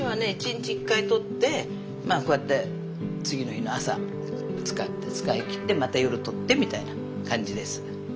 １日１回とってまあこうやって次の日の朝使って使い切ってまた夜とってみたいな感じです。